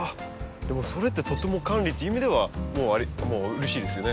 でもそれってとっても管理っていう意味ではうれしいですよね。